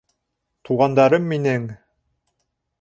Туғандарым минең!